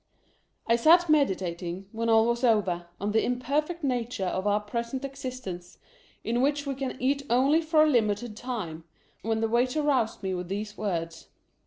I sat meditating, when all was over, on the imperfect nature of our present existence, in which we can eat only for a limited time, when the waiter roused me with these words.